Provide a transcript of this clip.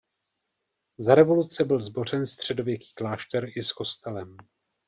Za revoluce byl zbořen středověký klášter i s kostelem.